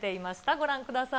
ご覧ください。